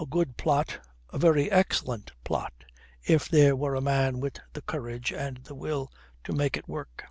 A good plot, a very excellent plot, if there were a man with the courage and the will to make it work.